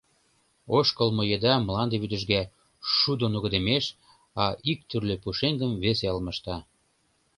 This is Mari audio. Ошкылмо еда мланде вӱдыжга, шудо нугыдемеш, а иктӱрлӧ пушеҥгым весе алмашта.